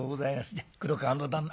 じゃ黒川の旦那」。